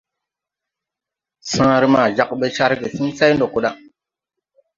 Sããre maa jāg ɓe car gesiŋ say ndo ko da.